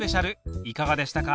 いかがでしたか？